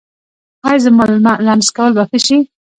ایا زما لمس کول به ښه شي؟